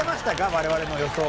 我々の予想を。